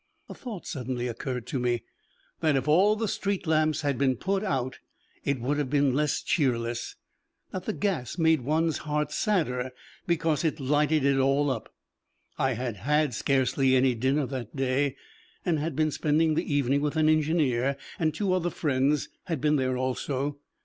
A thought suddenly occurred to me, that if all the street lamps had been put out it would have been less cheerless, that the gas made one's heart sadder because it lighted it all up. I had had scarcely any dinner that day, and had been spending the evening with an engineer, and two other friends had been there also.